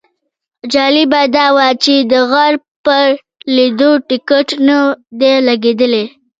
جالبه دا وه چې د غار پر لیدلو ټیکټ نه دی لګېدلی.